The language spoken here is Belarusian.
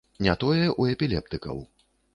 Не тое ў эпілептыкаў.